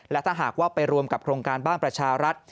และถ้าหากว่าไปรวมกับโครงการบ้านประชารัฐ